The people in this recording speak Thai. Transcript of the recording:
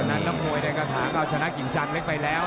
ขนาดน้ำมวยในขะทางเผาชนะกินชังเล็กไปแล้ว